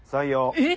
えっ！？